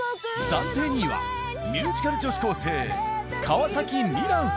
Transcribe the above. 暫定２位はミュージカル女子高生川嵜心蘭さん。